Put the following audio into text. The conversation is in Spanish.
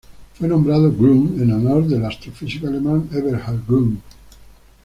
Fue nombrado Grün en honor al astrofísico alemán Eberhard Grün.